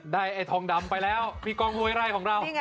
ได้ไอ้ทองดำไปแล้วมีกองมวยไหล่ของเรา